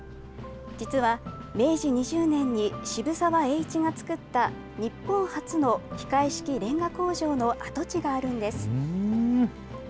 実は明治２０年に、渋沢栄一が作った日本初の機械式れんが工場の跡地があるんです。